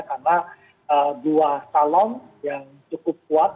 karena dua salon yang cukup kuat